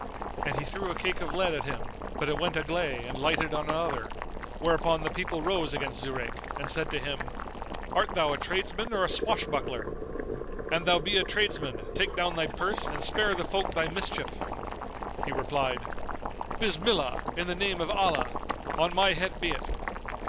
And he threw a cake of lead at him, but it went agley and lighted on another; whereupon the people rose against Zurayk and said to him, "Art thou a tradesman or a swashbuckler? An thou be a tradesman, take down thy purse and spare the folk thy mischief." He replied, "Bismillah, in the name of Allah! On my head be it."